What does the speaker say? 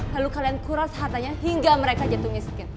lalu kalian kurang sehatanya hingga mereka jatuh miskin